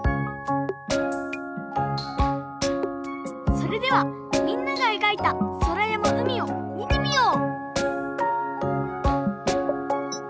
それではみんながえがいたそらやまうみをみてみよう！